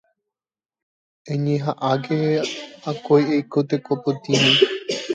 Eñeha'ãke akói eiko teko potĩme